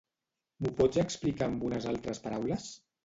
M'ho pots explicar amb unes altres paraules?